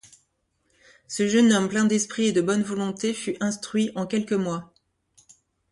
Ce jeune homme plein d'esprit et de bonne volonté, fut instruit en quelques mois.